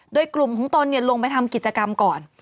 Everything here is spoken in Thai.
ด้วยกลุ่มของตนเนี่ยลงไปทำกิจกรรมก่อน